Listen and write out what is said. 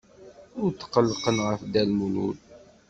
Ur tqellqen ɣef Dda Lmulud.